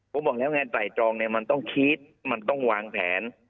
ผมบอกแล้วไงตายตรองมันต้องคิดมันต้องวางแผน